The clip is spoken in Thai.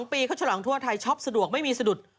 ปีเขาฉลองทั่วไทยช็อปสะดวกไม่มีสะดุด